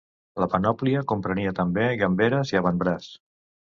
La panòplia comprenia també gamberes i avantbraç.